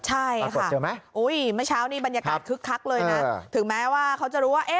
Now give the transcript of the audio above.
ใช่ค่ะเมื่อเช้านี้บรรยากาศคึกคักเลยนะถึงแม้ว่าเขาจะรู้ว่า